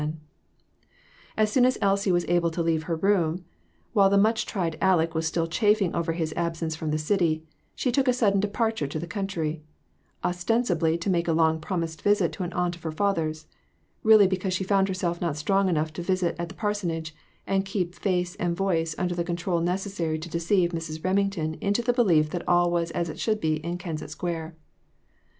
406 INTUITIONS. As soon as Elsie was able to leave her room, while the much tried Aleck was still chafing over his absence from the city, she took a sudden departure to the country; ostensibly to make a long promised visit to an aunt of her father's, really because she found herself not strong enough to visit at the parsonage and keep face and voice under the control necessary to deceive Mrs. Rem ington into the belief that all was as it should be in Kensett Square.